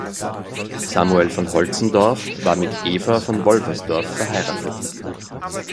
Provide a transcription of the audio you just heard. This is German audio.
Samuel von Holzendorf war mit Eva von Wolfersdorf verheiratet.